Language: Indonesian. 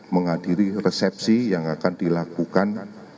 menghadiri resepsi yang akan dilakukan